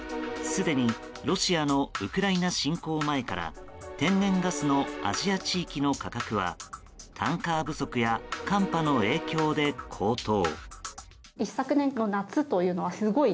すでにロシアのウクライナ侵攻前から天然ガスのアジア地域の価格はタンカー不足や寒波の影響で高騰。